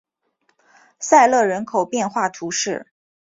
塞勒人口变化图示